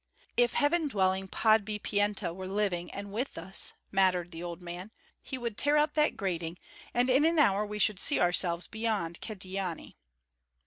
"If heaven dwelling Podbipienta were living and with us," muttered the old man, "he would tear out that grating, and in an hour we should see ourselves beyond Kyedani."